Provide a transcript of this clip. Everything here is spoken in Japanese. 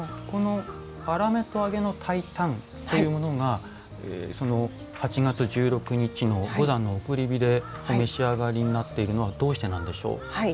この「あらめと揚げの炊いたん」というものが８月１６日の五山の送り火でお召し上がりになっているのはどうしてなんでしょう？